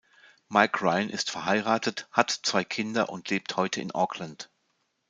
Mike Ryan ist verheiratet, hat zwei Kinder und lebt heute in Auckland.